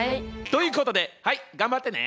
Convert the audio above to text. ということではい頑張ってね。